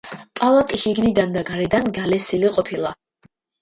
პალატი შიგნიდან და გარედან გალესილი ყოფილა.